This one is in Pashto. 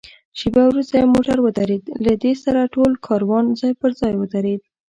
شېبه وروسته یو موټر ودرېد، له دې سره ټول کاروان ځای پر ځای ودرېد.